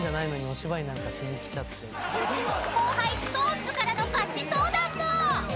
後輩ＳｉｘＴＯＮＥＳからのガチ相談も。